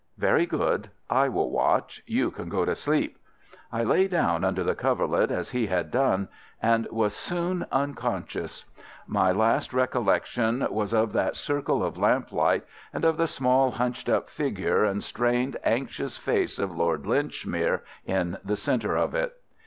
"Very good. I will watch. You can go to sleep." I lay down under the coverlet as he had done, and was soon unconscious. My last recollection was of that circle of lamplight, and of the small, hunched up figure and strained, anxious face of Lord Linchmere in the centre of it.